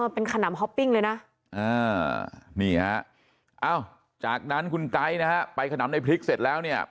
เป็นขนำฮอปปิ้งเลยนะนี่ฮะอ้าวจากนั้นคุณไก๊นะฮะไปขนำในพริกเสร็จแล้วเนี่ย